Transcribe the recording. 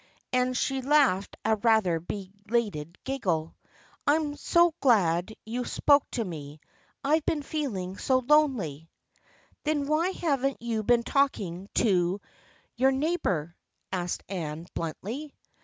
and she laughed a rather belated giggle. 1 1 I'm so glad you spoke to me. I've been feeling so lonely." " Then why haven't you been talking to your 28 THE FRIENDSHIP OF ANNE neighbor ?" asked Anne, bluntly.